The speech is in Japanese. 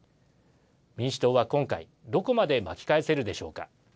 民主党は今回どこまで巻き返せるでしょうか。